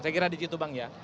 saya kira disitu bang ya